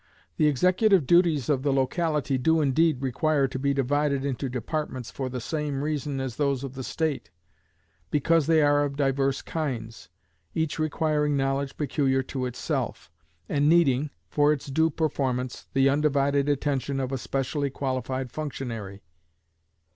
The executive duties of the locality do indeed require to be divided into departments for the same reason as those of the state because they are of divers kinds, each requiring knowledge peculiar to itself, and needing, for its due performance, the undivided attention of a specially qualified functionary.